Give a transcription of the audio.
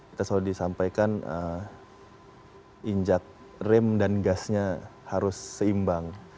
kita selalu disampaikan injak rem dan gasnya harus seimbang